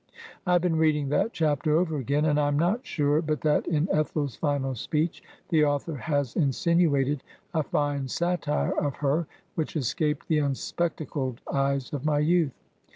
I have been reading that chapter over again, and I am not sure but that in Ethel's final speech the author has insinuated a fine satire of her which escaped the unspectacled eyes of my youth.